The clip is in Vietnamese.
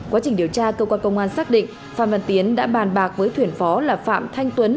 quá trình điều tra cơ quan công an xác định phan văn tiến đã bàn bạc với thuyền phó là phạm thanh tuấn